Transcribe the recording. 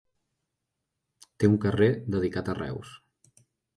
Té un carrer dedicat a Reus.